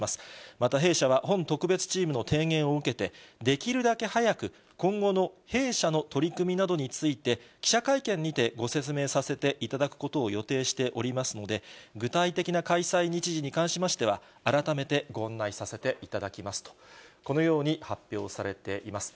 また弊社は、本特別チームの提言を受けて、できるだけ早く、今後の弊社の取り組みなどについて、記者会見にてご説明させていただくことを予定しておりますので、具体的な開催日時に関しましては、改めてご案内させていただきますと、このように発表されています。